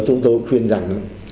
chúng tôi khuyên rằng